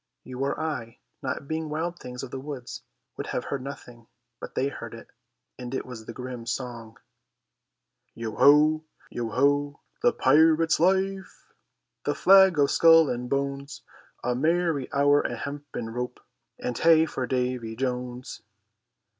You or I, not being wild things of the woods, would have heard nothing, but they heard it, and it was the grim song: "Yo ho, yo ho, the pirate life, The flag o' skull and bones, A merry hour, a hempen rope, And hey for Davy Jones."